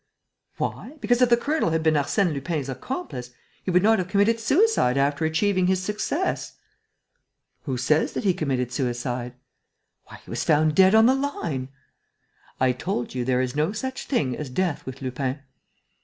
"Why? Because, if the colonel had been Arsène Lupin's accomplice, he would not have committed suicide after achieving his success." "Who says that he committed suicide?" "Why, he was found dead on the line!" "I told you, there is no such thing as death with Lupin."